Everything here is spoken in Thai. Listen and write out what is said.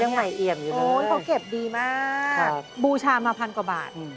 ใหม่เอี่ยมอยู่นู้นเขาเก็บดีมากบูชามาพันกว่าบาท